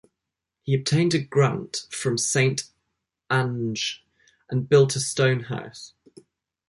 He obtained a grant from Saint Ange and built a stone house.